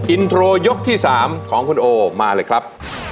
อินโทรยกที่๓ของคุณโอมาเลยครับ